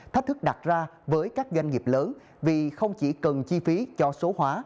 thách thức đặt ra với các doanh nghiệp lớn vì không chỉ cần chi phí cho số hóa